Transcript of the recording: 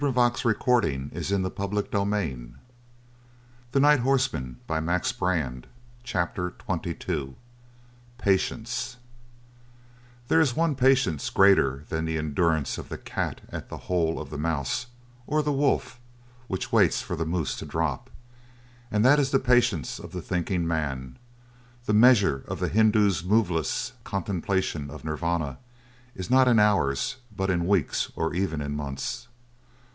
His revolver was in his hand, levelled, and following the swift course of Black Bart. CHAPTER XXII PATIENCE There is one patience greater than the endurance of the cat at the hole of the mouse or the wolf which waits for the moose to drop, and that is the patience of the thinking man; the measure of the Hindoo's moveless contemplation of Nirvana is not in hours but in weeks or even in months.